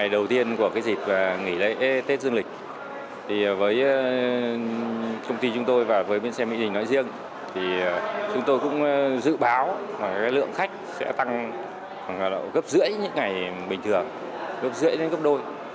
dự báo lượng khách sẽ tăng gấp rưỡi những ngày bình thường gấp rưỡi đến gấp đôi